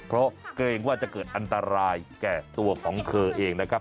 เพราะเกรงว่าจะเกิดอันตรายแก่ตัวของเธอเองนะครับ